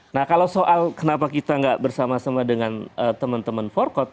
nah kalau soal kenapa kita nggak bersama sama dengan teman teman forkot